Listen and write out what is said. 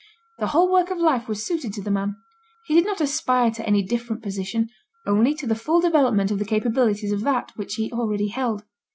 The whole work of life was suited to the man: he did not aspire to any different position, only to the full development of the capabilities of that which he already held.